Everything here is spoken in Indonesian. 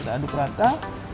sudah aduk rata